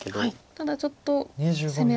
ただちょっと攻められて。